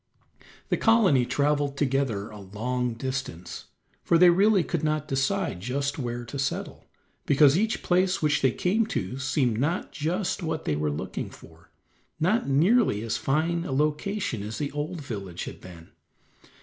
The colony traveled together a long distance, for they really could not decide just where to settle, because each place which they came to seemed not just what they were looking for, not nearly as fine a location as the old village had been.